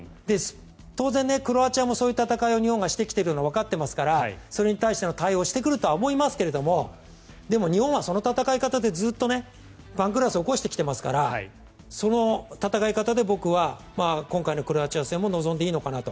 当然、クロアチアもそういう戦い方を日本がしてきてるのはわかっていますからそれに対しての対応をしてくるとは思いますがでも、日本はその戦い方でずっと番狂わせを起こしてきていますからその戦い方で今回のクロアチア戦も臨んでいいのかなと。